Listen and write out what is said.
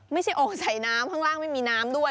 ไม่ใช่โอ่งใส่น้ำข้างล่างไม่มีน้ำด้วย